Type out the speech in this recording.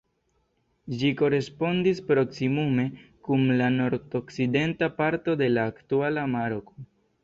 Ĝi korespondis proksimume kun la nordokcidenta parto de la aktuala Maroko.